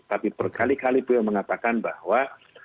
tapi berkali kali beliau mengatakan bahwa